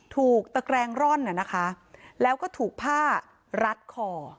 ถูกตะแกรงร่อนแล้วก็ถูกผ้ารัดคอ